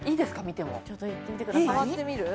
見てもちょっとやってみてください触ってみる？